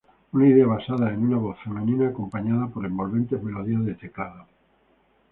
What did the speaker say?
Una idea basada en una voz femenina acompañada por envolventes melodías de teclado.